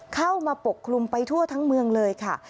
เข้ามาปกครุมไปทั่วทั้งเมืองเลยค่ะ